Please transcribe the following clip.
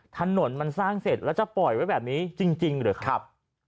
ถนนมันสร้างเสร็จแล้วจะปล่อยไว้แบบนี้จริงหรือครับ